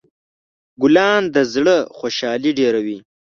ګلان د زړه خوشحالي ډېروي.